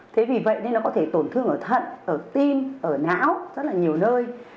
thế vì vậy nên nó có thể tổn thương ở thận ở tim ở não rất là nhiều nơi